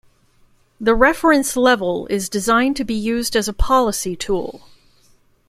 The reference level is designed to be used as a policy tool.